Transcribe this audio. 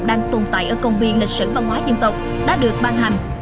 đang tồn tại ở công viên lịch sử văn hóa dân tộc đã được ban hành